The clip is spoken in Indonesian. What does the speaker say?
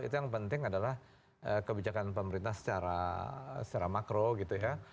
itu yang penting adalah kebijakan pemerintah secara makro gitu ya